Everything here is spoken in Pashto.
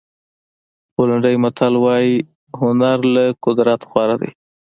پولنډي متل وایي هنر له قدرت غوره دی.